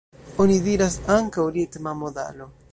Oni diras ankaŭ ritma modalo.